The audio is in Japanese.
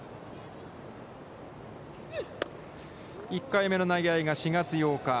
１回目の投げ合いが４月８日。